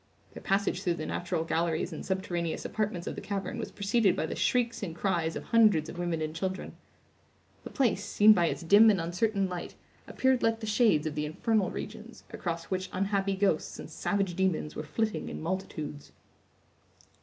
Their passage through the natural galleries and subterraneous apartments of the cavern was preceded by the shrieks and cries of hundreds of women and children. The place, seen by its dim and uncertain light, appeared like the shades of the infernal regions, across which unhappy ghosts and savage demons were flitting in multitudes.